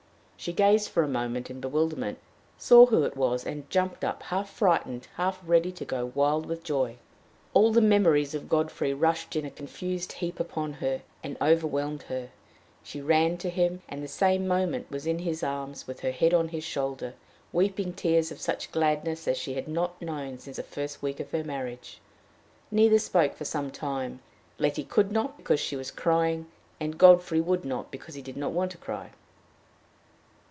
She gazed for a moment in bewilderment, saw who it was, and jumped up half frightened, half ready to go wild with joy. All the memories of Godfrey rushed in a confused heap upon her, and overwhelmed her. She ran to him, and the same moment was in his arms, with her head on his shoulder, weeping tears of such gladness as she had not known since the first week of her marriage. Neither spoke for some time; Letty could not because she was crying, and Godfrey would not because he did not want to cry.